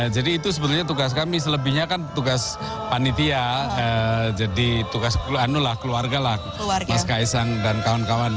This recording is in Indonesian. jadi itu sebenarnya tugas kami selebihnya kan tugas panitia jadi tugas keluarga lah mas kaisang dan kawan kawan